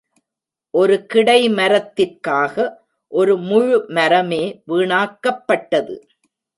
ஒரு கிடைமரத்திற்காக ஒரு முழுமரமே வீணாக்கப்பட்டது.